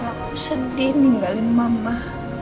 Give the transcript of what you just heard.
aku sedih ninggalin mama